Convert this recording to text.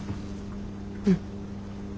うん。